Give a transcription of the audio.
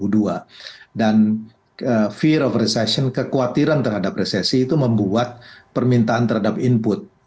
dan fear of recession kekhawatiran terhadap resesi itu membuat permintaan terhadap input